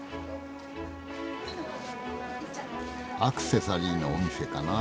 アクセサリーのお店かなあ。